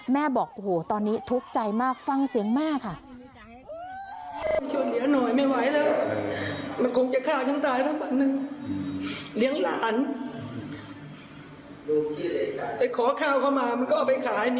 บอกโอ้โหตอนนี้ทุกข์ใจมากฟังเสียงแม่ค่ะ